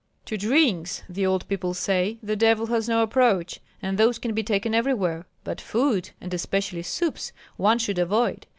"To drinks, the old people say, the devil has no approach, and those can be taken everywhere; but food, and especially soups, one should avoid.